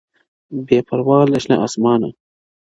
بې پروا له شنه اسمانه-